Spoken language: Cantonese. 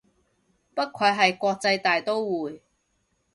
不愧係國際大刀會